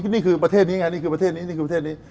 นี่คือประเทศนี้ไงนี่คือประเทศนี้นี่คือประเทศนี้